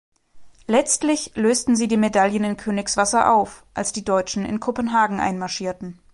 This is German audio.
Letztlich lösten sie die Medaillen in Königswasser auf, als die Deutschen in Kopenhagen einmarschierten.